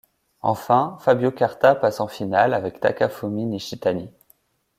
Enfin, Fabio Carta passe en finale avec Takafumi Nishitani.